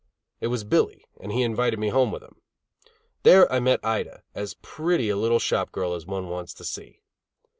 It was Billy, and he invited me home with him. There I met Ida, as pretty a little shop girl as one wants to see.